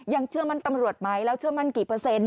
เชื่อมั่นตำรวจไหมแล้วเชื่อมั่นกี่เปอร์เซ็นต